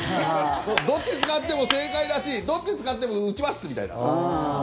どっち使っても正解だしどっち使っても打ちますみたいな。